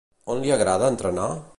On li agrada entrenar?